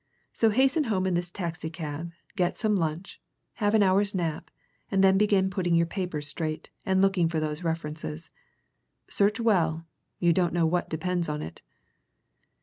So hasten home in this taxi cab, get some lunch, have an hour's nap, and then begin putting your papers straight and looking for those references. Search well! you don't know what depends on it."